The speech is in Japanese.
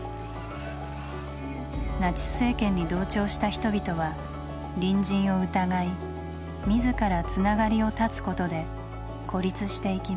ナチス政権に同調した人々は隣人を疑い自ら「つながり」を絶つことで「孤立」していきました。